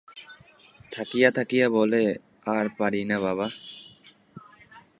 থাকিয়া থাকিয়া বলে, আর পারি না বাবা!